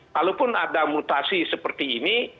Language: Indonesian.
kalaupun ada mutasi seperti ini